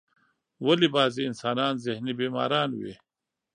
ولی بازی انسانان ذهنی بیماران وی ؟